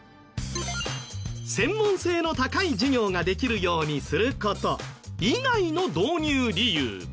専門性の高い授業ができるようにする事以外の導入理由。